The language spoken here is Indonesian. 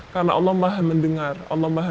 karena allah maha mendengar allah maha melihat